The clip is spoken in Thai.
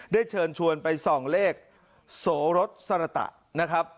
เชิญชวนไปส่องเลขโสรสสรตะนะครับ